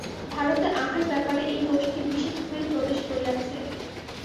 ভারতে আহার-ব্যাপারে এই দোষটি বিশেষভাবে প্রবেশ করিয়াছে।